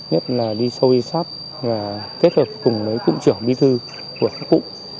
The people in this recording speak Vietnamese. nhất là đi sâu đi sát và kết hợp cùng với cụm trưởng bí thư của các cụm